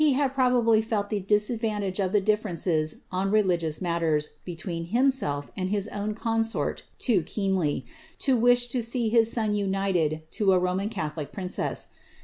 probably felt the disadvantage of the difierences on religious «tween himself and his own consort too keenly, to wish to see inited to a Roman catholic princess.